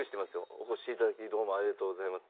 「お越しいただきどうもありがとうございます」